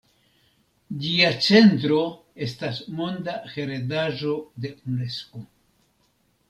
Ĝia centro estas Monda heredaĵo de Unesko.